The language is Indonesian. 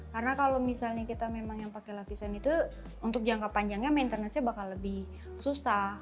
karena kalau misalnya kita memang yang pakai lapisan itu untuk jangka panjangnya maintenancenya bakal lebih mudah